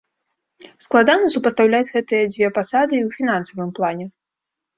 Складана супастаўляць гэтыя дзве пасады і ў фінансавым плане.